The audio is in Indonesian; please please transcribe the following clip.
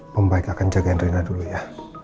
pembaik akan jagain rina dulu ya